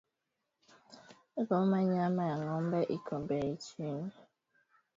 Goma nyama ya ngombe iko beyi chini